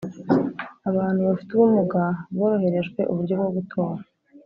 Abantu bafite ubumuga boroherejwe uburyo bwo gutora